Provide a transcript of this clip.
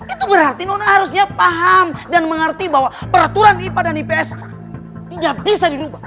itu berarti nona harusnya paham dan mengerti bahwa peraturan ipa dan di ps tidak bisa dirubah